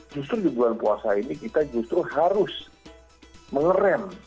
justru jadwal puasa ini kita justru harus mengeram